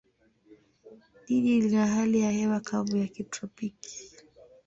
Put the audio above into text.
Jiji lina hali ya hewa kavu ya kitropiki.